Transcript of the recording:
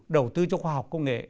đầu tư cho khoa học công nghệ